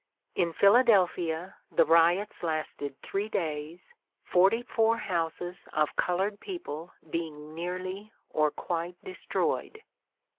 In Philadelphia, the riots lasted three days, forty four houses of colored people being nearly or quite destroyed.